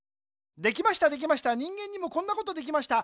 できましたできました人間にもこんなことできました。